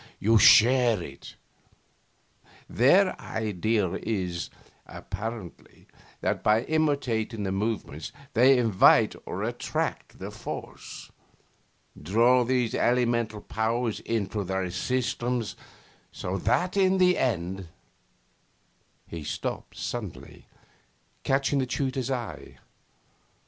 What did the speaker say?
You share it. Their idea is, apparently, that by imitating the movements they invite or attract the force draw these elemental powers into their systems, so that in the end ' He stopped suddenly, catching the tutor's eye.